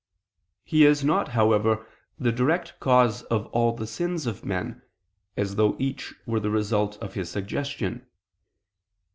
He is not, however, the direct cause of all the sins of men, as though each were the result of his suggestion.